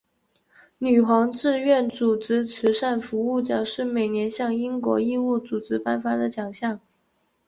女皇志愿组织慈善服务奖是每年向英国义务组织颁发的奖项。